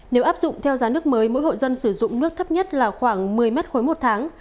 nếu áp dụng theo giá nước mới mỗi hội dân sử dụng nước thấp nhất là khoảng một mươi mét khối một tháng